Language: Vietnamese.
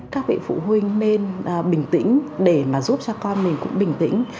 các vị phụ huynh nên bình tĩnh để mà giúp cho con mình cũng bình tĩnh